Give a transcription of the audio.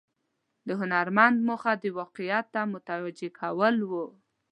د هنرمند موخه د واقعیت ته متوجه کول و.